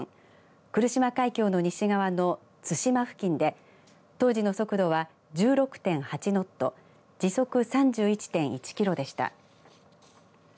来島海峡の西側の対馬付近で当時の速度は１６．８ノット時速３１．１キロでした。